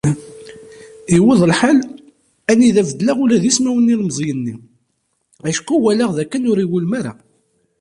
Iwweḍ lḥal anida beddleɣ ula d ismawen n yilemẓiyen-nni, acku walaɣ dakken ur iwulem ara.